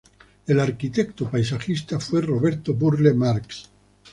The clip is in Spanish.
El arquitecto paisajista fue Roberto Burle Marx.